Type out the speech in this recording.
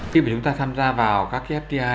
khi mà chúng ta tham gia vào các fta